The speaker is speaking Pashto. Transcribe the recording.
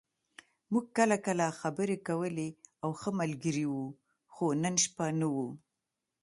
موږ کله کله خبرې کولې او ښه ملګري وو، خو نن شپه نه و.